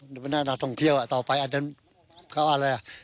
ที่มันน่าต้องเที่ยวต่อไปอันนั้นคือเขาว่าอะไร